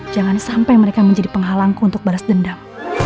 jangan sampai mereka menjadi penghalangku untuk baras dendam